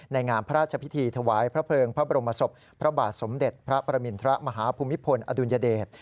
งามพระราชพิธีถวายพระเพลิงพระบรมศพพระบาทสมเด็จพระประมินทรมาฮภูมิพลอดุลยเดช